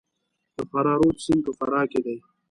د فرا رود سیند په فراه کې دی